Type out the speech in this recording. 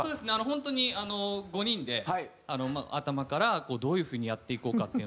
本当にあの５人で頭からどういう風にやっていこうかっていうので。